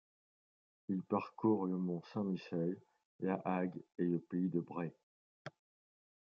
Il parcourt le Mont-Saint-Michel, La Hague et le pays de Bray.